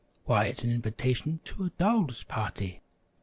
"Why, it's an invitation to a Dolls' Party!